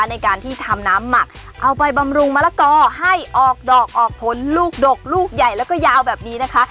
ในการที่ทำน้ำหมักเอาไปบำรุงมะละกอให้ออกดอกออกผลลูกดกลูกใหญ่แล้วก็ยาวแบบนี้นะคะ